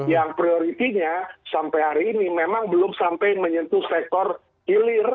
yang prioritasnya sampai hari ini memang belum sampai menyentuh sektor hilir